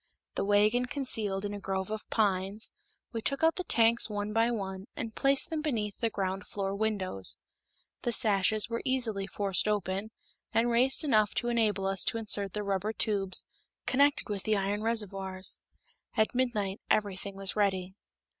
The wagon concealed in a grove of pines, we took out the tanks one by one, and placed them beneath the ground floor windows. The sashes were easily forced open, and raised enough to enable us to insert the rubber tubes connected with the iron reservoirs. At midnight everything was ready.